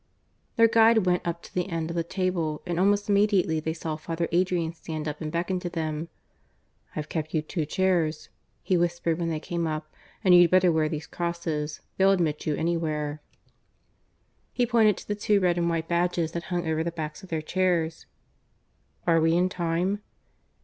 Their guide went up to the end of the table, and almost immediately they saw Father Adrian stand up and beckon to them. "I've kept you two chairs," he whispered when they came up. "And you'd better wear these crosses. They'll admit you anywhere." (He pointed to the two red and white badges that hung over the backs of their chairs.) "Are we in time?"